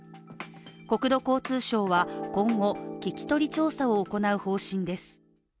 国土交通省は今後、聞き取り調査を行う方針です。